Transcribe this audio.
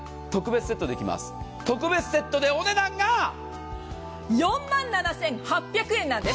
特別セットで４万７８００円なんです。